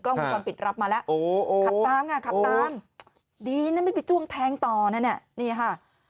กล้องความผิดรับมาแล้วขับตามดีน่ะไม่ไปจุ้งแทงต่อนะนี่ค่ะ